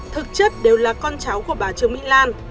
thực chất đều là con cháu của bà trương mỹ lan